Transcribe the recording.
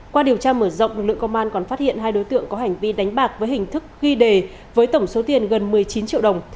qua điều tra mở rộng lực lượng công an còn phát hiện hai đối tượng có hành vi đánh bạc với hình thức ghi đề với tổng số tiền gần một mươi chín triệu đồng